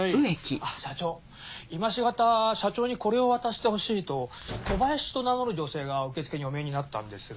社長今しがた社長にこれを渡してほしいと小林と名乗る女性が受付にお見えになったんですが。